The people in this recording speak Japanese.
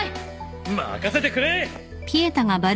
任せてくれ！